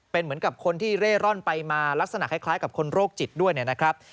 เป็นเหมือนกับคนที่เร่ร่อนไปมาลักษณะคล้ายกับคนโรคจิตด้วยนะครับ